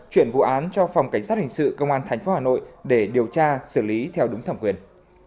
chuyển vụ án cho phòng cảnh sát hình sự công an tp hà nội để điều tra xử lý theo đúng thẩm quyền